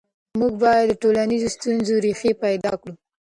موږ باید د ټولنیزو ستونزو ریښې پیدا کړو.